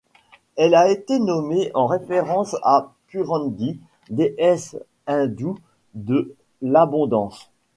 Elle a été nommée en référence à Purandhi, déesse hindoue de l'abondance.